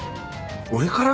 俺から？